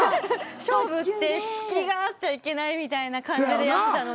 勝負って隙があっちゃいけないみたいな感じでやってたので。